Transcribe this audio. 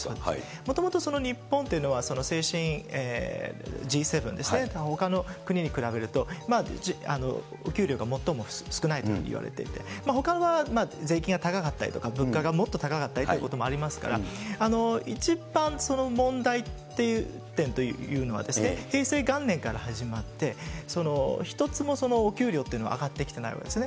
もともと日本というのはＧ７ですね、ほかの国に比べると、お給料が最も少ないといわれていて、ほかは税金が高かったりとか、物価がもっと高かったりということがありますから、一番問題点というのは、平成元年から始まって、ひとつもお給料っていうのは上がってきてないわけですね。